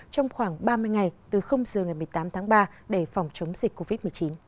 trong khoảng ba mươi ngày từ giờ ngày một mươi tám tháng ba để phòng chống dịch covid một mươi chín